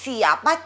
siapa cewek tadi